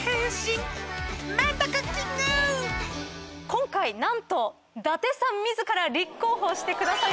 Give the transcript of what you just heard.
今回何と伊達さん自ら立候補してくださいました。